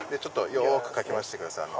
よくかき回してください。